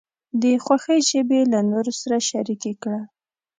د خوښۍ شیبې له نورو سره شریکې کړه.